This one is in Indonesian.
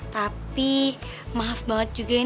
tapi maaf banget juga